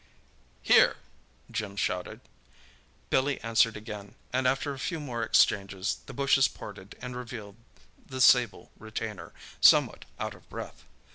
"Here!" Jim shouted. Billy answered again, and after a few more exchanges, the bushes parted and revealed the sable retainer, somewhat out of breath.